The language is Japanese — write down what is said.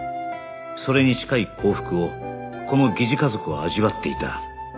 それに近い幸福をこの疑似家族は味わっていた